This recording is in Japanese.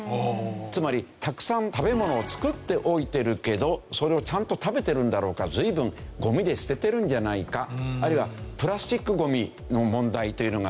つまりたくさん食べ物を作っておいてるけどそれをちゃんと食べてるんだろうか随分ゴミで捨ててるんじゃないかあるいはプラスチックゴミの問題というのがある。